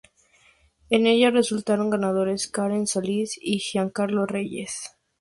En ella resultaron ganadores Karen Solís y Giancarlo Reyes.